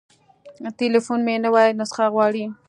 تليفون مې نوې نسخه غواړي.